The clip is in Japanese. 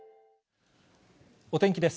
お天気です。